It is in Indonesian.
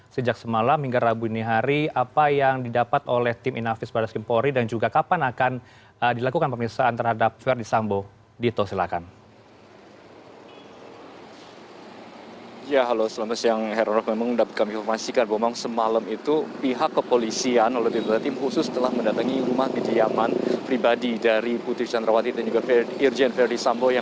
sejak semalam hingga rabu ini hari apa yang didapat oleh tim inavis baras kempori dan juga kapan akan dilakukan pemirsaan terhadap verdi sambu